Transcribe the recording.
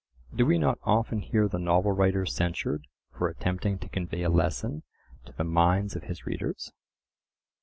Do we not often hear the novel writer censured for attempting to convey a lesson to the minds of his readers?